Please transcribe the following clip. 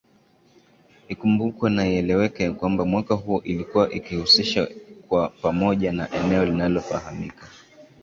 Ikumbukwe na ieleweke ya kwamba mwaka huo ilikuwa ikihusisha kwa pamoja na eneo linalofahamika